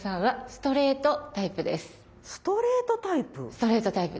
ストレートタイプ。